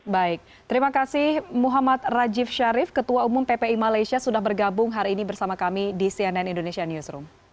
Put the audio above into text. baik terima kasih muhammad rajif sharif ketua umum ppi malaysia sudah bergabung hari ini bersama kami di cnn indonesia newsroom